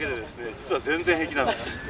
実は全然平気なんです。